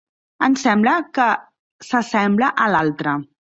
Em sembla que s'assembla a l'altra.